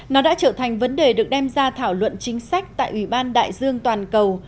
nó đã trở thành vấn đề được đem ra thảo luận chính sách tại ủy ban đại dương toàn cầu